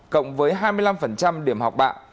cộng với hai mươi năm điểm học bạ